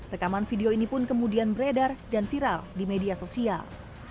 rekaman video ini pun kemudian beredar dan viral di media sosial